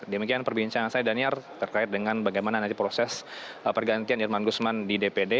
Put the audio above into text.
demikian perbincangan saya daniar terkait dengan bagaimana nanti proses pergantian irman gusman di dpd